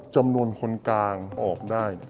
จำนวนคนกลางออกได้